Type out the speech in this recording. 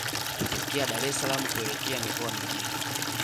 Kutokea Dar es salaam kuelekea mikoa mingine